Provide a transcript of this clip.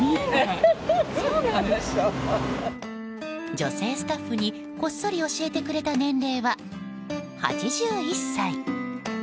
女性スタッフに、こっそり教えてくれた年齢は８１歳。